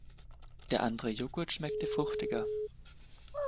Der andere Joghurt schmeckte fruchtiger.